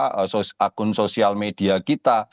akun sosial media kita